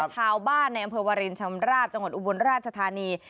ชาวบ้านในอำเภอวารินชำราบจังหวัดอุบลราชธานี